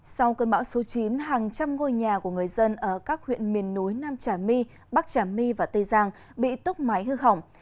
sau cơn bão số chín hàng trăm ngôi nhà của người dân ở các huyện miền núi nam trà my bắc trà my và tây giang bị tốc máy hư hỏng